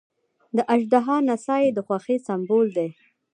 د اژدها نڅا یې د خوښۍ سمبول دی.